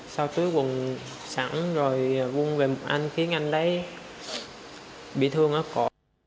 sau cuối cùng sẵn rồi vung về một anh khiến anh đấy bị thương rất khó